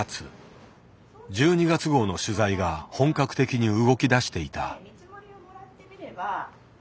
１２月号の取材が本格的に動きだしていた。